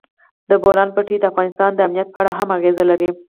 د بولان پټي د افغانستان د امنیت په اړه هم اغېز لري.